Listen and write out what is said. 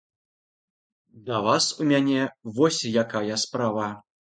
Да вас у мяне вось якая справа.